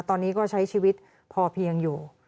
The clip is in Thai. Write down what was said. ตอนนี้ก็ใช้ชีวิตพอเพียงอยู่